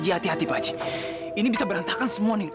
hati hati pak haji ini bisa berantakan semua nih